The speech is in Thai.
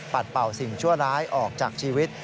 เป่าสิ่งชั่วร้ายออกจากชีวิต